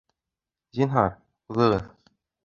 Зинһар, уҙығыҙ